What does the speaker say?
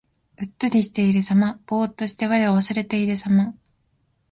うっとりしているさま。ぼうっとして我を忘れているさま。